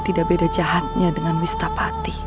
tidak beda jahatnya dengan wistapati